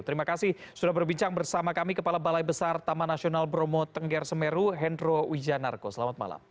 terima kasih sudah berbincang bersama kami kepala balai besar taman nasional bromo tengger semeru hendro wijanarko selamat malam